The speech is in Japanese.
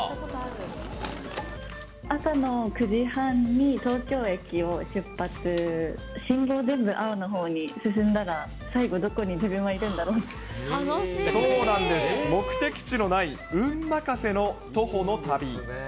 朝の９時半に、東京駅を出発、信号全部青のほうに進んだら、最後、どこに自分はそうなんです、目的地のない運任せの徒歩の旅。